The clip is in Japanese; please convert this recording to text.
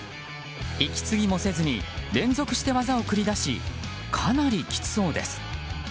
息継ぎもせずに連続して技を繰り出しかなりきつそうです。